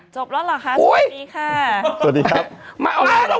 จบแล้วหรอคะสวัสดีค่ะสวัสดีครับ